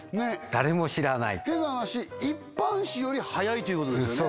誰も知らない変な話一般紙より早いということですね